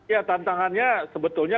ya tantangannya sebetulnya